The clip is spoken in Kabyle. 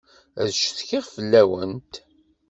Ad ccetkiɣ fell-awent.